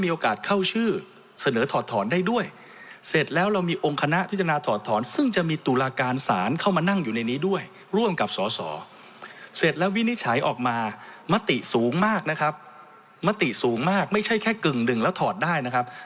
ไม่ใช่แค่กึ่งดึงแล้วถอดได้นะครับ